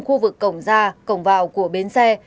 khu vực cổng ra cổng vào của bến xe